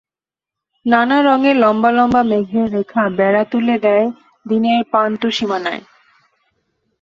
নানা রঙের লম্বা লম্বা মেঘের রেখা বেড়া তুলে দেয় দিনের প্রান্তসীমানায়।